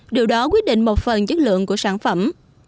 điều đó quyết định một phần chất lượng của sản phẩm